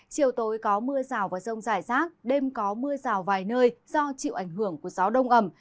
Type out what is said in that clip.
chiều tối có mưa rào và rông rải rác đêm có mưa rào vài nơi do chịu ảnh hưởng của gió đông ẩm